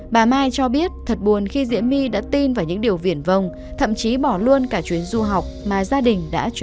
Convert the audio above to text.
bà mai cho biết thật buồn khi diễm my đã tin vào những điều viển vông thậm chí bỏ luôn cả chuyến du học mà gia đình